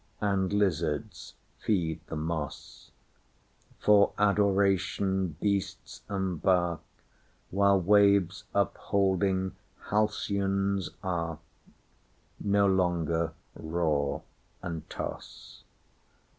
And lizards feed the moss; For Adoration beasts embark, While waves upholding halcyon's arkNo longer roar and toss.